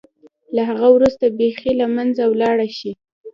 له هغه وروسته بېخي له منځه ولاړه شي.